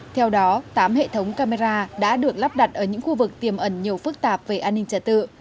theo đó tám hệ thống camera đã được lắp đặt ở những khu vực tiềm ẩn nhiều phức tạp về an ninh trật tự